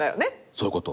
そういうこと。